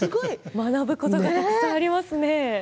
学ぶことがたくさんありますね。